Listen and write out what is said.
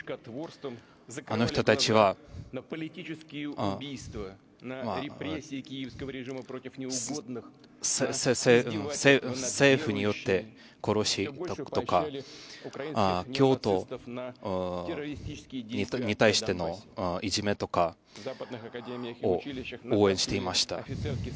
あの人たちは政府によって殺しや教徒に対してのいじめとか応援していました。